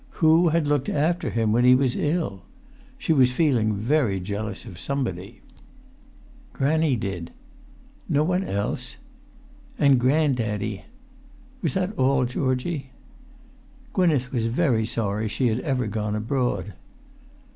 Who had looked after him when he was ill? She was feeling very jealous of somebody. "Granny did." "No one else?" "An' grand daddy." "Was that all, Georgie?" Gwynneth was very sorry she had ever gone abroad.